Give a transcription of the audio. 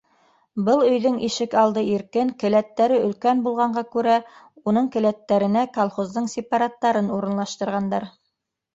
Был өйҙөң ишек алды иркен, келәттәре өлкән булғанға күрә, уның келәттәренә колхоздың сипараттарын урынлаштырғандар.